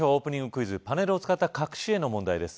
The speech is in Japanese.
クイズパネルを使った隠し絵の問題です